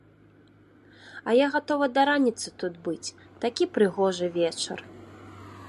А я гатова да раніцы тут быць, такі прыгожы вечар.